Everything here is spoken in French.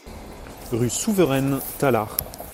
Rue Souveraine, Tallard